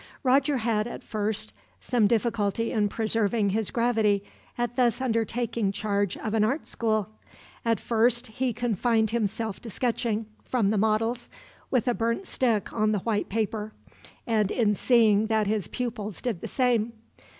Roger had, at first, some difficulty in preserving his gravity at thus undertaking charge of an art school. At first he confined himself to sketching, from the models, with a burnt stick on the white paper, and in seeing that his pupils did the same.